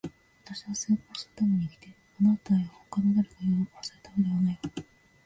私は成功するために生きている。あなたや他の誰かを喜ばせるためではないわ。